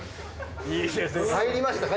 入りましたか？